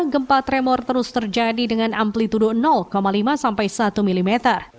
gempa tremor terus terjadi dengan amplitude lima sampai satu mm